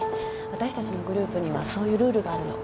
わたしたちのグループにはそういうルールがあるの。